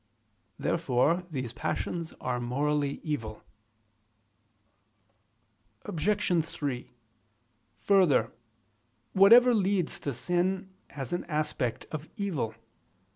Therefore these passions are morally evil. Obj. 3: Further, whatever leads to sin, has an aspect of evil.